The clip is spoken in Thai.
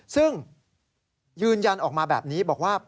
ซึ่งยืนยันออกมาแบบนี้บอกว่า